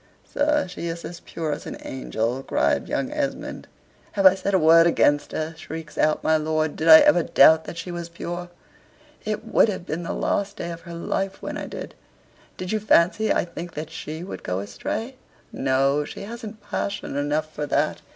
"Sir, she is as pure as an angel," cried young Esmond. "Have I said a word against her?" shrieks out my lord. "Did I ever doubt that she was pure? It would have been the last day of her life when I did. Do you fancy I think that SHE would go astray? No, she hasn't passion enough for that.